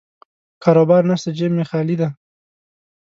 کاروبار نشته، جیب مې خالي دی.